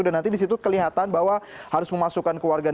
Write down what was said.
dan nanti di situ kelihatan bahwa harus memasukkan kewajiban